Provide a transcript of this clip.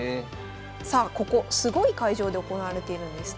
さあここすごい会場で行われているんです。